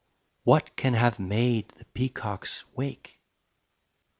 What can have made the peacocks wake?